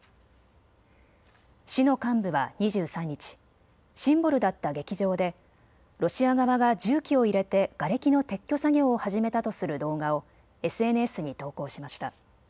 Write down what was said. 市の幹部は２３日、シンボルだった劇場でロシア側が重機を入れてがれきの撤去作業を始めたとする動画をＳＮＳに投稿しました。